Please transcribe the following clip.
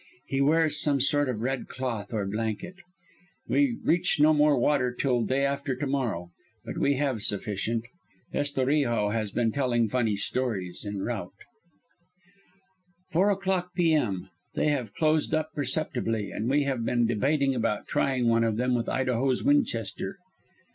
He wears some sort of red cloth or blanket. We reach no more water till day after to morrow. But we have sufficient. Estorijo has been telling funny stories en route. "Four o'clock P. M. They have closed up perceptibly, and we have been debating about trying one of them with Idaho's Winchester.